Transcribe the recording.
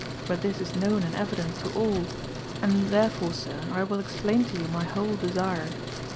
But this is known and evident to all ; and therefore sir, I will explain to you my whole desire.